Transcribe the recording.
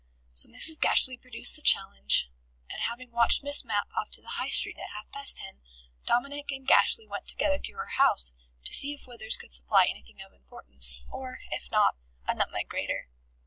So Mrs. Gashly produced the challenge, and having watched Miss Mapp off to the High Street at half past ten, Dominic and Gashly went together to her house, to see if Withers could supply anything of importance, or, if not, a nutmeg grater.